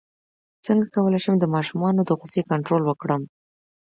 څنګه کولی شم د ماشومانو د غوسې کنټرول وکړم